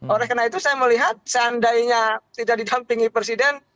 oleh karena itu saya melihat seandainya tidak didampingi presiden